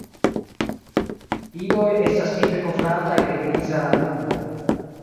Idoj estas tipe kovrataj de griza lanugo.